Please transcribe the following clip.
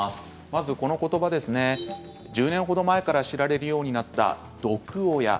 まずこの言葉１０年程前から知られるようになった毒親。